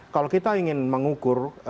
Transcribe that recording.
kalau kita ingin mengukur